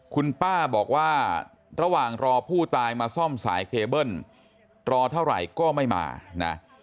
คุณป้าบอกว่าระหว่างรอผู้ตายมาซ่อมสายเคเบิ้ลรอเท่าไหร่ก็ไม่มานะ